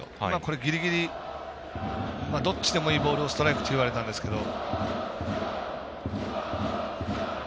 ギリギリどっちでもいいボールをストライクといわれたんですけど。